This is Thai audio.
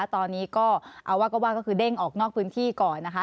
ตอนนี้ก็เอาว่าก็ว่าก็คือเด้งออกนอกพื้นที่ก่อนนะคะ